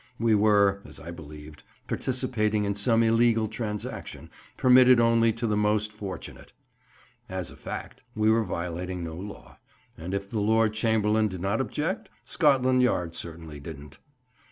We were, as I believed, participating in some illegal transaction, permitted only to the most fortunate. As a fact, we were violating no law; and if the Lord Chamberlain did not object, Scotland Yard certainly didn't.